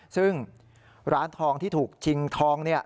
ซึ่งร้านทองที่ถูกชิงทองเนี่ย